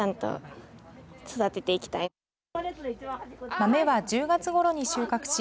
豆は１０月ごろに収穫し